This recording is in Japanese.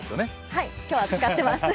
はい、今日は使ってます。